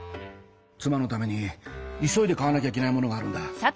妻のために急いで買わなきゃいけないものがあるんだ。